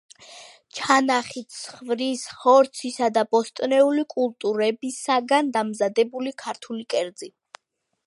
ჩანახი ცხვრის ხორცისა და ბოსტნეული კულტურებისაგან დამზადებული ქართული კერძი.